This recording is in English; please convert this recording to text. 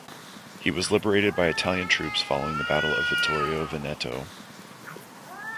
He was liberated by Italian troops following the battle of Vittorio Veneto.